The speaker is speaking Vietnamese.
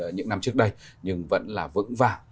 những năm trước đây nhưng vẫn là vững vàng